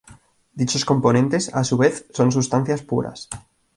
Dichos componentes, a su vez, son sustancias puras.